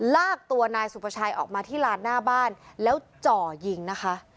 ลากตัวนายสุภาชัยออกมาที่ลานหน้าบ้านแล้วจ่อยิงนะคะ